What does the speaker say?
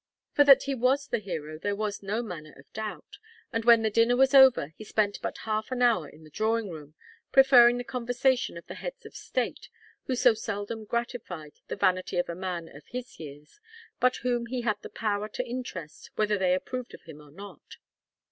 For that he was the hero there was no manner of doubt, and when the dinner was over he spent but half an hour in the drawing room, preferring the conversation of the heads of state, who so seldom gratified the vanity of a man of his years, but whom he had the power to interest whether they approved of him or not.